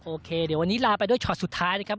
โอเคเดี๋ยววันนี้ลาไปด้วยช็อตสุดท้ายนะครับ